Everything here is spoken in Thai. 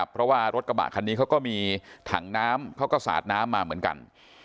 เพราะว่ารถกระบะคันนี้เขาก็มีถังน้ำเขาก็สาดน้ำมาเหมือนกัน